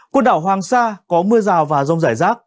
quần đảo hoàng sa có mưa rào và rông rải rác